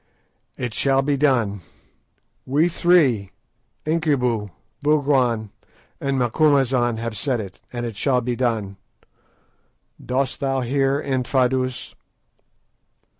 "It shall be done; we three, Incubu, Bougwan, and Macumazahn, have said it, and it shall be done. Dost thou hear, Infadoos?"